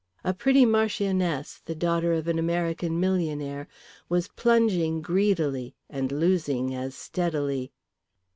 A pretty marchioness, the daughter of an American millionaire, was plunging greedily and losing as steadily.